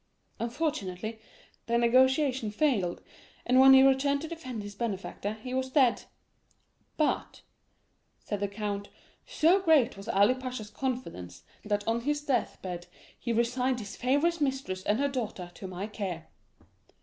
Unfortunately, the negotiation failed, and when he returned to defend his benefactor, he was dead. 'But,' said the count, 'so great was Ali Pasha's confidence, that on his death bed he resigned his favorite mistress and her daughter to my care.